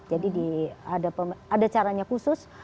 jadi ada caranya khusus